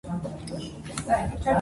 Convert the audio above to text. დამალულმა ჭირმა მოჰკლა კაცი